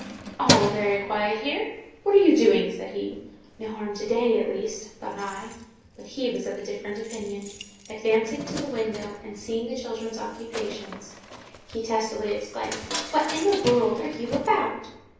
"All very quiet here! What are you doing?" said he. "No harm to day, at least," thought I. But he was of a different opinion. Advancing to the window, and seeing the children's occupations, he testily exclaimed—"What in the world are you about?"